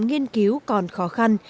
nghiên cứu còn khó khăn